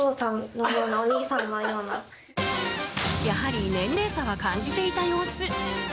やはり年齢差は感じていた様子。